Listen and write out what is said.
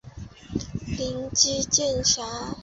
叶基渐狭。